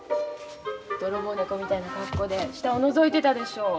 泥棒猫みたいな格好で下をのぞいてたでしょ。